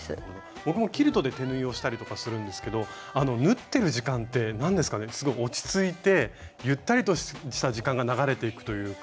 僕もキルトで手縫いをしたりとかするんですけどあの縫ってる時間って何ですかねすごい落ち着いてゆったりとした時間が流れていくというか。